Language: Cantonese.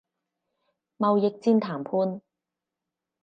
貿易戰談判